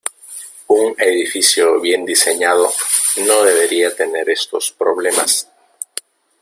Un edificio bien diseñado no debería tener estos problemas.